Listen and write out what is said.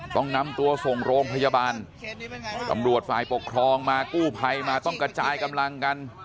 ต้องนำตัวส่งโรงพยาบาลตำรวจฝ่ายปกครองมากู้ภัยมาต้องกระจายกำลังกัน